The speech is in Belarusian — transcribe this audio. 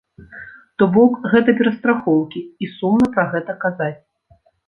То бок гэта перастрахоўкі і сумна пра гэта казаць.